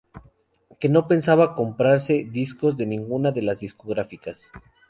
que no pensaba comprarse discos de ninguna de las discográficas